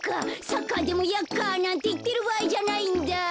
サッカーでもヤッカなんていってるばあいじゃないんだ。